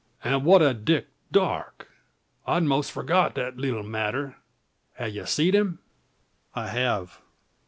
An' what o' Dick Darke? I'd most forgot that leetle matter. Have ye seed him?" "I have."